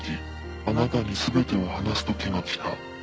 あなたに全てを話す時が来た。